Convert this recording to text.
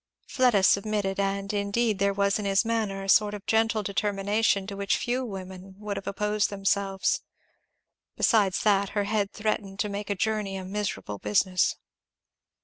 Fleda submitted; and indeed there was in his manner a sort of gentle determination to which few women would have opposed themselves; besides that her head threatened to make a journey a miserable business.